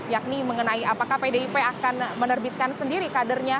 yakni mengenai apakah pdip akan menerbitkan sendiri kadernya